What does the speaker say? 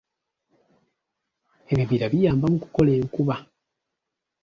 Ebibira biyamba mu kukola enkuba.